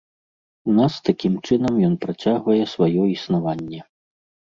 У нас такім чынам ён працягвае сваё існаванне.